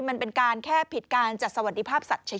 มันเป็นการแค่ผิดการจัดสวัสดิภาพสัตว์เฉย